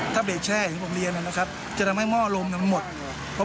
ถ้าเบรกแช่อย่างที่ผมเรียนนะครับ